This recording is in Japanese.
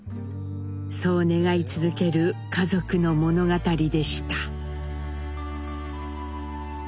そう願い続ける家族の物語でした。